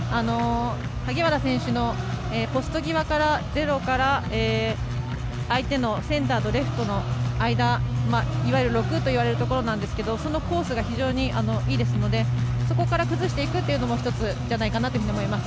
萩原選手のポスト際、０から相手のセンターとレフトの間いわゆる６といわれるところですのでそのコースが非常にいいですのでそこから崩していくのも１つじゃないかなと思います。